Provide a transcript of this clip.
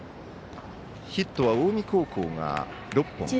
ヒットは近江高校が６本。